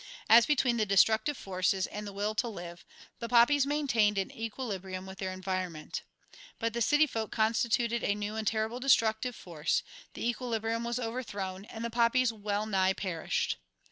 As between the destructive forces and the will "to live," the poppies maintained an equilibrium with their environment. But the city folk constituted a new and terrible destructive force, the equilibrium was overthrown, and the poppies wellnigh perished.